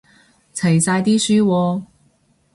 齊晒啲書喎